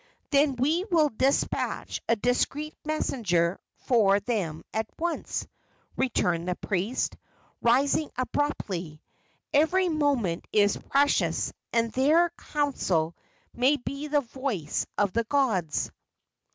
"Then will we despatch a discreet messenger for them at once," returned the priest, rising abruptly. "Every moment is precious, and their counsel may be the voice of the gods."